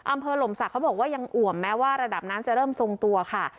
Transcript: หล่มศักดิ์เขาบอกว่ายังอ่วมแม้ว่าระดับน้ำจะเริ่มทรงตัวค่ะ